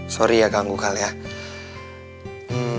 sorry ya ganggu kalian